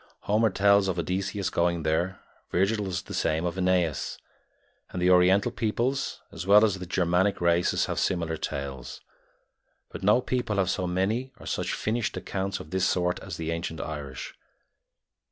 Homer tells of Odysseus going there; Virgil does the same of Aeneas; and the Oriental peoples, as well as the Germanic races, have similar tales; but no people have so many or such finished accounts of this sort as the ancient Irish.